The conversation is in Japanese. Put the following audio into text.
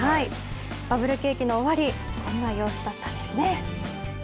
バブル景気の終わり、こんな様子だったんですね。